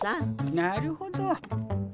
なるほど。